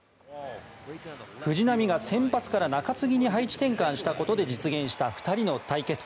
藤浪が先発から中継ぎに配置転換したことで実現した、２人の対決。